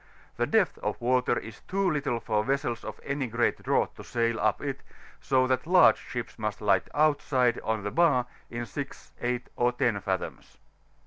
The depth of water is too little for vessels of any great draught to sfidl up it, so that large ships must lie outside of the bar in 6, 8, or 10 fathoms.